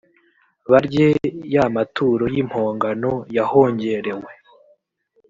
barye ya maturo y impongano yahongerewe